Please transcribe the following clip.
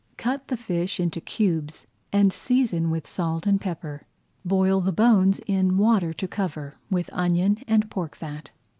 Cut the fish into cubes and season with salt and pepper. Boil the bones in water to cover, with onion and pork fat.